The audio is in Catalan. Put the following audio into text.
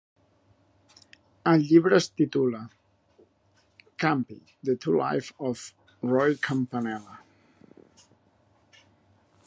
El llibre es titula "Campy - The Two Lives of Roy Campanella".